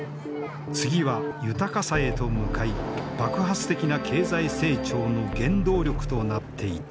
次は豊かさへと向かい爆発的な経済成長の原動力となっていった。